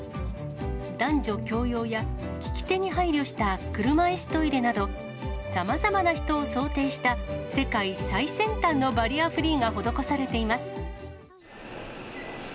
男女共用や利き手に配慮した車いすトイレなど、さまざまな人を想定した、世界最先端のバリアフリーが施されています。